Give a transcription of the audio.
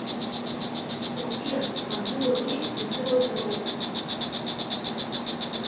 Отиа, абри уаргьы иудыруазароуп.